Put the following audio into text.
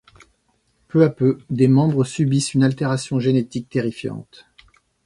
Peu à peu, des membres subissent une altération génétique terrifiante.